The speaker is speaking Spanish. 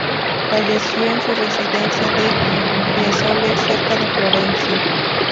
Falleció en su residencia de Fiesole, cerca de Florencia.